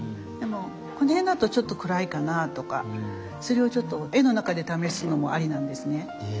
でもこの辺だとちょっと暗いかなとかそれをちょっと絵の中で試すのもありなんですね。